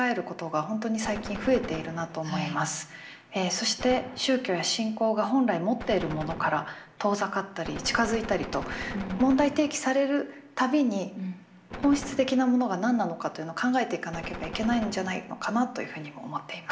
そして宗教や信仰が本来持っているものから遠ざかったり近づいたりと問題提起される度に本質的なものが何なのかというのを考えていかなければいけないんじゃないのかなというふうにも思っています。